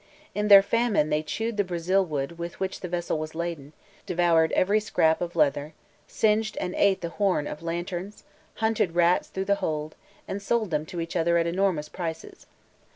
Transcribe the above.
In their famine they chewed the Brazil wood with which the vessel was laden, devoured every scrap of leather, singed and ate the horn of lanterns, hunted rats through the hold, and sold them to each other at enormous prices.